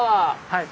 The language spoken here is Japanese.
はい。